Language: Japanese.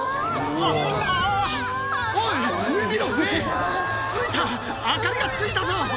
ついた、明かりがついたぞ！